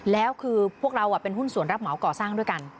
แล้วคือพวกเราเป็นหุ้นส่วนรับเหมาก่อสร้างด้วยกัน